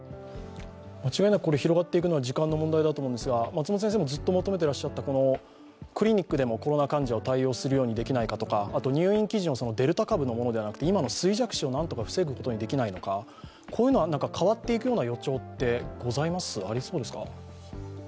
間違いなくこれ広がっていくのは時間の問題だと思いますが松本先生もずっと求めていらっしゃったクリニックでもコロナ患者を対応するようにできないかとか入院基準をデルタ株のものではなくて、今の衰弱死を何とか防ぐことができないのかこういうのは変わっていくような予兆というのはありそうですか。